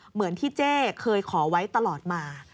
เหมือนที่เจ๊เคยขอไว้ตลอดมา